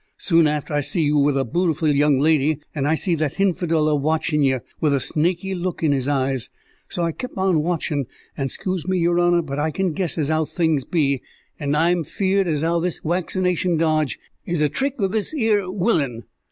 Soon after, I see you with a bootiful young lady, and I see that hinfidel a watchin' yer, with a snaky look in his eyes. And so I kep on watchin', and scuse me, yer honour, but I can guess as 'ow things be, and I'm fear'd as 'ow this waccination dodge is a trick o' this 'ere willain."